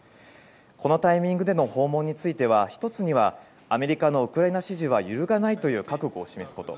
このタイミングでの訪問について１つはアメリカのウクライナ支持は揺るがないという覚悟を示すこと。